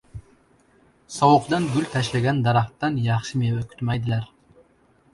• Sovuqdan gul tashlagan daraxtdan yaxshi meva kutmaydilar.